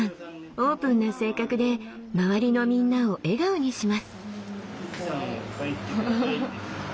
オープンな性格で周りのみんなを笑顔にします。